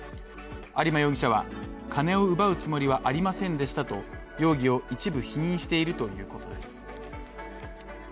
有馬容疑者は金を奪うつもりはありませんでしたと容疑を一部否認しているということです。